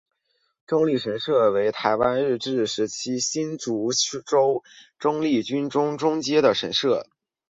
中坜神社为台湾日治时期新竹州中坜郡中坜街的神社。